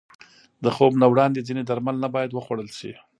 د خوب نه وړاندې ځینې درمل نه باید وخوړل شي.